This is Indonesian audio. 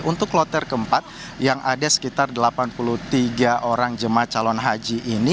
untuk kloter keempat yang ada sekitar delapan puluh tiga orang jemaah calon haji ini